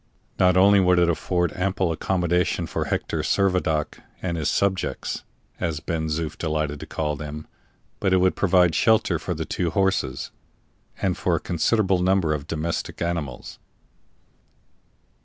Not only would it afford ample accommodation for Hector Servadac and "his subjects," as Ben Zoof delighted to call them, but it would provide shelter for the two horses, and for a considerable number of domestic animals.